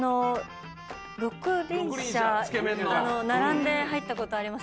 六厘舎並んで入ったことあります